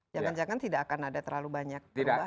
jangan jangan tidak akan ada terlalu banyak perubahan